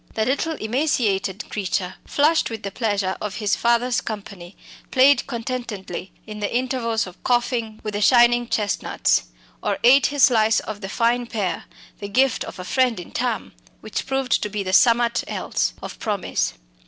The little emaciated creature, flushed with the pleasure of his father's company, played contentedly in the intervals of coughing with the shining chestnuts, or ate his slice of the fine pear the gift of a friend in Thame which proved to be the "summat else" of promise.